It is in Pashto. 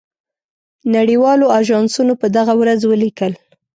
نړۍ والو آژانسونو په دغه ورځ ولیکل.